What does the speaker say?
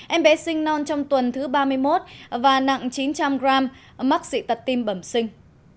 em bé sinh non trong tuần thứ ba mươi một và nặng chín trăm linh g mắc dị tật tim bẩm sinh